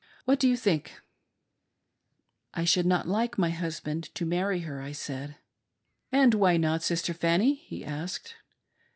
What do you think .'"" I should not like my husband to marry her," I said. "And why not. Sister Fanny?'* he asked.